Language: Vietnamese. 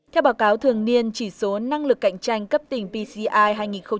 theo báo cáo thường niên chỉ số năng lực cạnh tranh cấp tỉnh pci